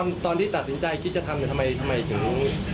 ตอนที่ตัดสินใจคิดจะทำทำไมถึง